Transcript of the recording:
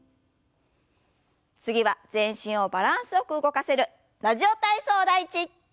次は全身をバランスよく動かせる「ラジオ体操第１」。